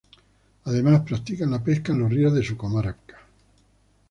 Además practican la pesca en los ríos de su comarca.